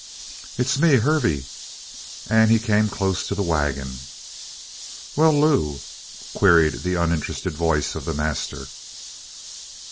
"It's me. Hervey." And he came close to the wagon. "Well, Lew?" queried the uninterested voice of the master.